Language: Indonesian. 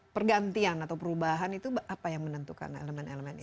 pergantian atau perubahan itu apa yang menentukan elemen elemen ini